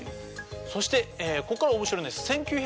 そしてここから面白いんです。